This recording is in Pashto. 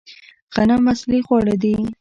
غنم اصلي خواړه دي